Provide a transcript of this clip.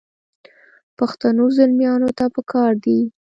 پښتنو زلمیانو ته پکار دي.